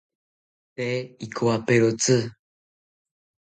Tee ikowaperotzi